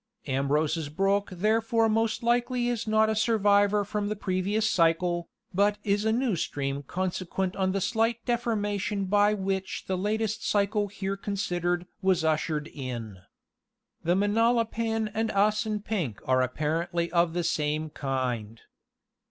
Ambrose's brook therefore most likely is not a survivor from the previous cycle, but is a new stream consequent on the slight deformation by which the latest cycle here considered was ushered in. Manalapan and Assanpink are apparently of the same kind.